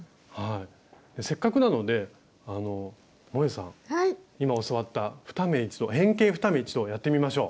せっかくなのでもえさん今教わった変形２目一度をやってみましょう。